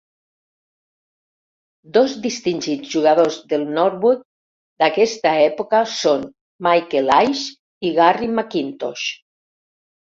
Dos distingits jugadors del Norwood d'aquesta època són Michael Aish i Garry McIntosh.